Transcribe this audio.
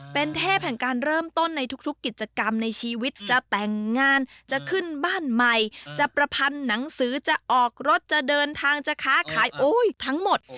เป็นเทพแห่งการเริ่มต้นในทุกกิจกรรมในชีวิตจะแต่งงานจะขึ้นบ้านใหม่จะประพันธ์หนังสือจะออกรถจะเดินทางจะค้าขายโอ้ยทั้งหมด